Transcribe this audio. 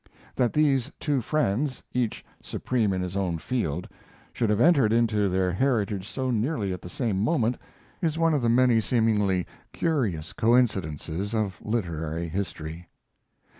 That these two friends, each supreme in his own field, should have entered into their heritage so nearly at the same moment, is one of the many seemingly curious coincidences of literary history.